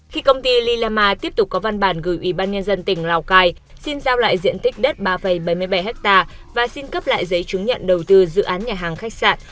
khi công ty lilama tiếp tục có văn bản gửi ủy ban nhân dân tỉnh lào cai xin giao lại diện tích đất ba bảy mươi bảy ha và xin cấp lại giấy chứng nhận đầu tư dự án nhà hàng khách sạn